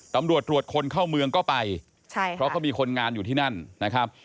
ตำรวจตรวจคนเข้าเมืองก็ไปใช่เพราะเขามีคนงานอยู่ที่นั่นนะครับ